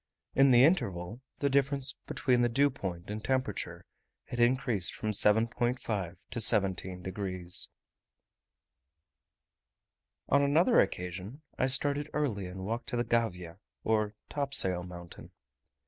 In the interval, the difference between the dew point and temperature had increased from 7.5 to 17 degs. On another occasion I started early and walked to the Gavia, or topsail mountain.